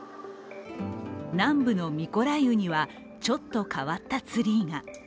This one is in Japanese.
南部のミコライウにはちょっと変わったツリーが。